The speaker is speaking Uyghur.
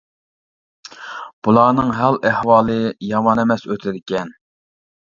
بۇلارنىڭ ھال ئەھۋالى يامان ئەمەس ئۆتىدىكەن.